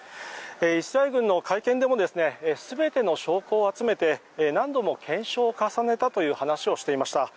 イスラエル軍の会見でも全ての証拠を集めて何度も検証を重ねたという話をしていました。